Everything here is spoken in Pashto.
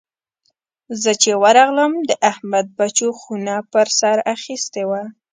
زه چې ورغلم؛ د احمد بچو خونه پر سر اخيستې وه.